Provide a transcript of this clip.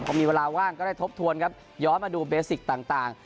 พอมีเวลาว่างก็ได้ทบทวนครับย้อนมาดูเบสิกต่าง